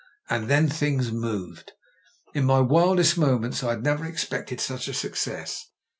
And then things moved. In my wildest moments I had never expected such a success.